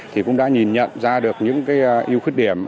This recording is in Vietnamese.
thì cũng đã nhìn nhận ra được những yêu khích điểm